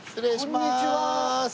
こんにちは。